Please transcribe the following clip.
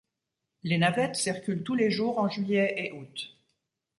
Les navettes circulent tous les jours en juillet et août.